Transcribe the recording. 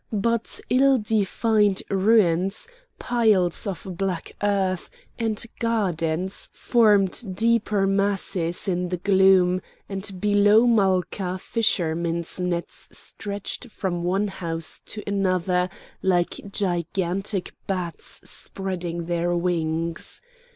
But ill defined ruins, piles of black earth, and gardens formed deeper masses in the gloom, and below Malqua fishermen's nets stretched from one house to another like gigantic bats spreading their wings.